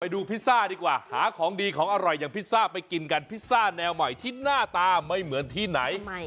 ดูพิซซ่าดีกว่าหาของดีของอร่อยอย่างพิซซ่าไปกินกันพิซซ่าแนวใหม่ที่หน้าตาไม่เหมือนที่ไหน